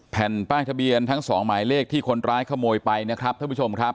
แผ่นป้ายทะเบียนทั้งสองหมายเลขที่คนร้ายขโมยไปนะครับท่านผู้ชมครับ